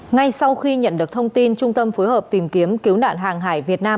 ngay sau khi nhận được thông tin trung tâm phối hợp tìm kiếm cứu nạn hàng hải việt nam